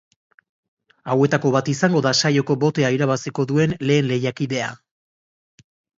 Hauetako bat izango da saioko botea irabaziko duen lehen lehiakidea.